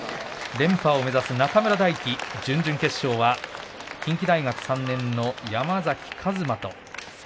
連覇を目指す中村泰輝は準々決勝、近畿大学３年の山崎勝磨です。